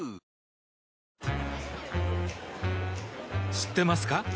知ってますか？